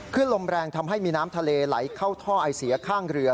ลมแรงทำให้มีน้ำทะเลไหลเข้าท่อไอเสียข้างเรือ